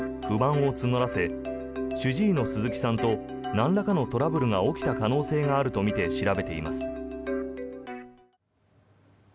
不満を募らせ主治医の鈴木さんとなんらかのトラブルが起きた可能性があるとみて調べています。